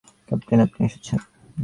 Captain, আপনি এসেছেন।